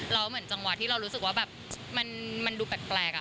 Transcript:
แล้วเหมือนจังหวะที่เรารู้สึกว่าแบบมันดูแปลก